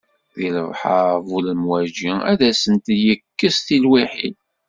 Di lebḥer bu lemwaji, ad asent-yekkes tilwiḥin.